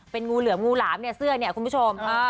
เป็นงูเหลือมงูหลามเนี่ยเสื้อเนี่ยคุณผู้ชม